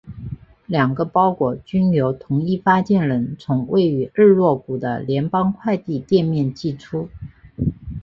两个包裹均由同一发件人从位于日落谷的联邦快递店面寄出。